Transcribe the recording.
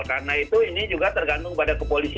karena itu ini juga tergantung pada kepolisian